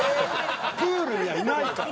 プールにはいないから。